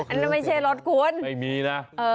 อันนั้นไม่ใช่รถกวนเออไม่มีนะ